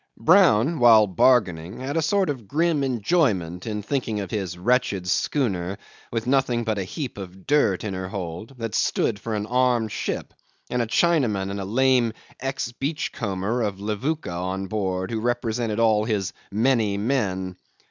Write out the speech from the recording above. Brown, while bargaining, had a sort of grim enjoyment in thinking of his wretched schooner, with nothing but a heap of dirt in her hold, that stood for an armed ship, and a Chinaman and a lame ex beachcomber of Levuka on board, who represented all his many men.